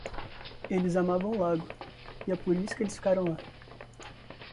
Eles amavam o lago, e é por isso que eles ficaram lá.